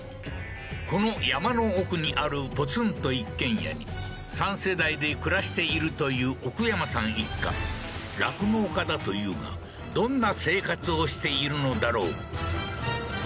この山の奥にあるポツンと一軒家に３世代で暮らしているというオクヤマさん一家酪農家だというがどんな生活をしているのだろう？